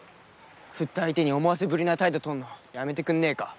振った相手に思わせぶりな態度取んのやめてくんねぇか？